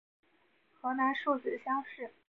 河南戊子乡试。